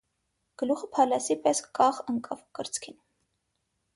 Գլուխը փալասի պես կախ ընկավ կրծքին: